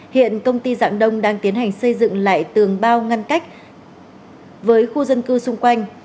hiện công ty dạng đông đang tiến hành xây dựng lại tường bao ngăn cách với khu dân cư xung quanh